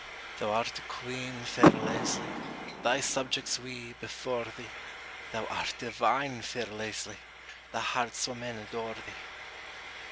Thou art a queen, fair Leslie, Thy subjects we, before thee; Thou art divine, fair Leslie, The hearts o' men adore thee.